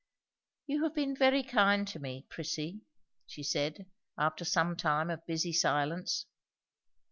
"You have been very kind to me, Prissy," she said, after some time of busy silence.